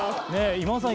今田さん